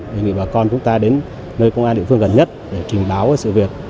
đề nghị bà con chúng ta đến nơi công an địa phương gần nhất để trình báo sự việc